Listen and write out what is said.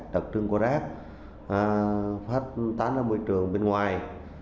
đặc trưng của rác phát tán ra môi trường bên ngoài